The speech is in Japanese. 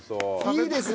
いいですね！